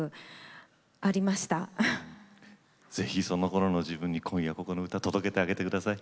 ぜひそのころの自分に今夜ここの歌届けてあげて下さい。